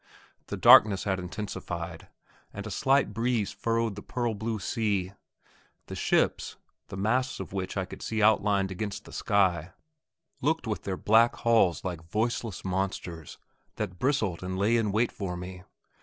The darkness had intensified, and a slight breeze furrowed the pearl blue sea. The ships, the masts of which I could see outlined against the sky, looked with their black hulls like voiceless monsters that bristled and lay in wait for me.